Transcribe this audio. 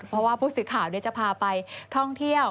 เพราะว่าภูษภิกษาจะพาไปท่องเที่ยว